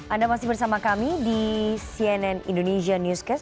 anda masih bersama kami di cnn indonesia newscast